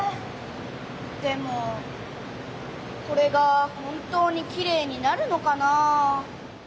でもこれが本当にきれいになるのかなあ？